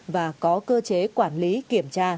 và có cơ chế quản lý kiểm tra